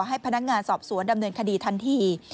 ให้พนักงานสอบสวนดำเนินคดีทันที